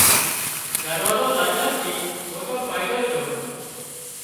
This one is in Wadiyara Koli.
دراوزو لاڄا ٿِي موٽو فائيڌو ڇو